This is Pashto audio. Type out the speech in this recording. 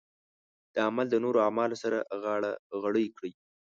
دا عمل د نورو اعمالو سره غاړه غړۍ کړي.